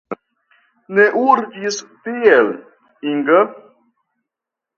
Ne urĝis tiel, Inga!